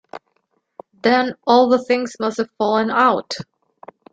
Then all the things must have fallen out!